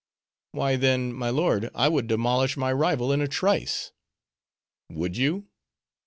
"Why then, my lord, I would demolish my rival in a trice." "Would you?